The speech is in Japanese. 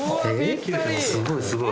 すごいすごい。